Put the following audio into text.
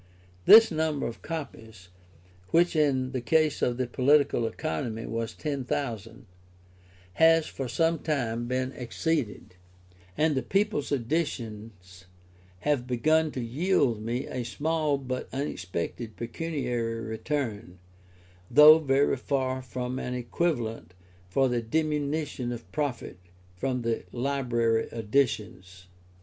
This number of copies (which in the case of the Political Economy was 10,000) has for some time been exceeded, and the People's Editions have begun to yield me a small but unexpected pecuniary return, though very far from an equivalent for the diminution of profit from the Library Editions.